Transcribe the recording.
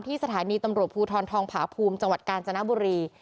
สถานีตำรวจภูทรทองผาภูมิจังหวัดกาญจนบุรี